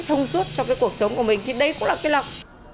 thông suốt cho cái cuộc sống của mình thì đây cũng là cái lộc